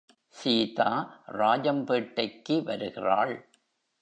சீதா, ராஜம்பேட்டைக்கு வருகிறாள்.